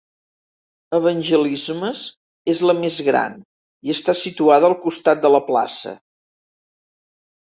"Evangelismes" és la més gran, i està situada al costat de la plaça.